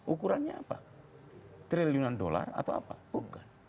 ukurannya apa triliunan dolar atau apa bukan